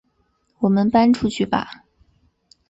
我们搬出去吧